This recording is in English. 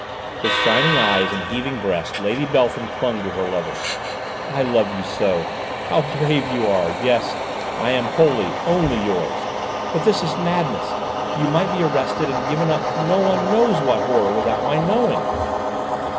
With shining eyes and heaving breast Lady Beltham clung to her lover. "I love you so! How brave you are! Yes, I am wholly, only yours. But this is madness! You might be arrested and given up to no one knows what horror, without my knowing!"